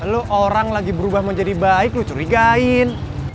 lu orang lagi berubah mau jadi baik lu curigain